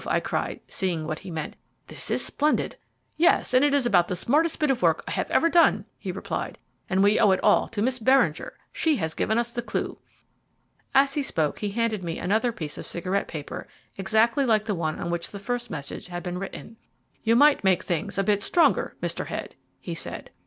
I cried, seeing what he meant, "this is splendid." "Yes, it is about the smartest bit of work I have ever done," he replied, "and we owe it all to Miss Beringer; she has given us the clue." As he spoke he handed me another piece of cigarette paper, exactly like the one on which the first message had been written. "You might make things a bit stronger, Mr. Head," he said.